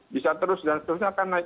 bisa terus dan seterusnya akan naik